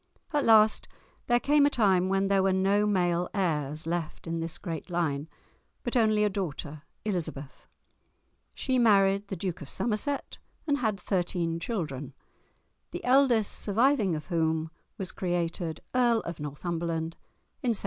At last there came a time when there were no male heirs left in this great line, but only a daughter, Elizabeth. She married the Duke of Somerset, and had thirteen children, the eldest surviving of whom was created Earl of Northumberland in 1748.